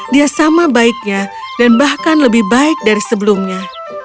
dia sama baiknya dan bahkan lebih baik dari sebelumnya